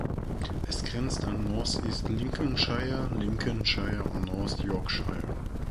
Es grenzt an North East Lincolnshire, Lincolnshire und North Yorkshire.